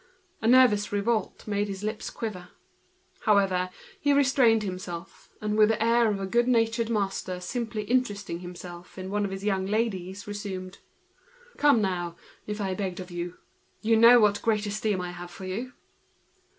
A nervous revolt agitated his lips. However, he restrained himself, and resumed with the air of a good natured master simply interesting himself in one of his young ladies: "Come now, if I begged of you—You know what great esteem I have for you."